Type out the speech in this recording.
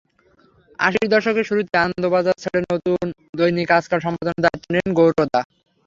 আশির দশকের শুরুতে আনন্দবাজার ছেড়ে নতুন দৈনিক আজকাল সম্পাদনার দায়িত্ব নিলেন গৌরদা।